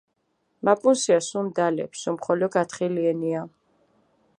მა პუნსია სუმი დალეფი, სუმხოლო გათხილიენია.